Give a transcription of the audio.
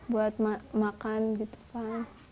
buat makan gitu pak